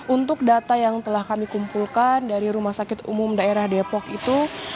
untuk data yang telah kami kumpulkan dari rumah sakit umum daerah depok itu